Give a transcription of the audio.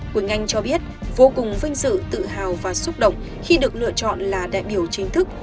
quỳnh anh cho biết vô cùng vinh dự tự hào và xúc động khi được lựa chọn là đại biểu chính thức